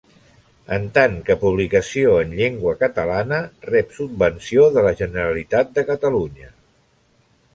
En tant que publicació en llengua catalana, rep subvenció de la Generalitat de Catalunya.